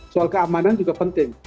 soal keamanan juga penting